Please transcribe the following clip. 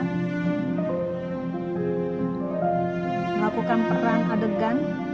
melakukan perang adegan